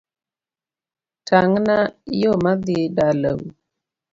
Tangna yoo madhi dala u